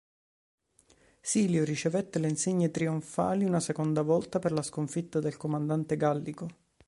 Silio ricevette le insegne trionfali una seconda volta per la sconfitta del comandante gallico.